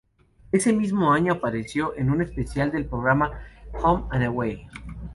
Ese mismo año apareció en un especial del programa "Home and Away".